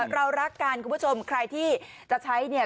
เรารักกันคุณผู้ชมใครที่จะใช้เนี่ย